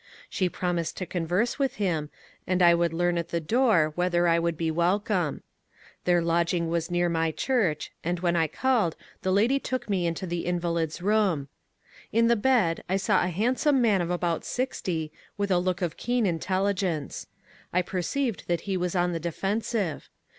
She promised to converse with him, and I would learn at the door whether I would be welcome. Their lodging was near my church, and when I called the lady took me into the invalid's room. In the bed I saw a handsome man of about sixty, with a look of keen intelligence. I perceived that he was on the defensive.